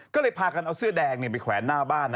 ก็เลยพากันเอาเสื้อแดงไปแขวนหน้าบ้าน